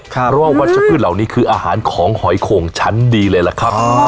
เพราะว่าวัชพืชเหล่านี้คืออาหารของหอยโข่งชั้นดีเลยล่ะครับ